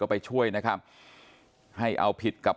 ไปช่วยนะครับให้เอาผิดกับ